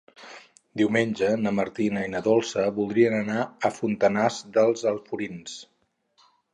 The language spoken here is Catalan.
Diumenge na Martina i na Dolça voldrien anar a Fontanars dels Alforins.